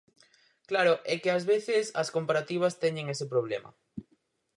Claro, é que ás veces as comparativas teñen ese problema.